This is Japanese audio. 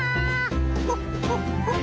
ホッホッホッ。